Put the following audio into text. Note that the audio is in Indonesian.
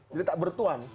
jadi tidak bertuan